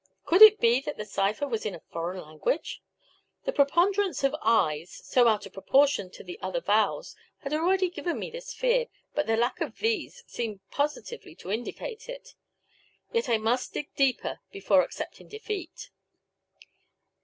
Could it be that the cipher was in a foreign language? The preponderance of i's so out of proportion to the other vowels had already given me this fear, but the lack of thes seemed positively to indicate it. Yet I must dig deeper before accepting defeat.